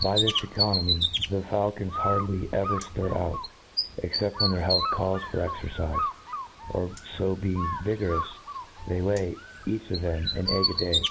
By this tKconomy, the faulcons hardly ever ftir out, except when their health calls for exercife ; and fo being vigorous, they lay, each of thcm^ an egg a day.